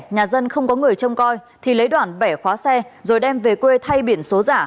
nhà dân không có người trông coi thì lấy đoàn bẻ khóa xe rồi đem về quê thay biển số giả